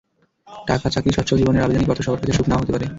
টাকা, চাকরি, সচ্ছল জীবনের আভিধানিক অর্থ সবার কাছে সুখ নাও হতে পারে।